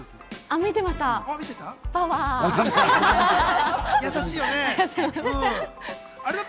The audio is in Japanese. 見てました？